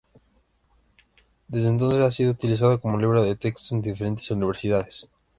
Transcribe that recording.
Desde entonces ha sido utilizado como libro de texto en diferentes universidades.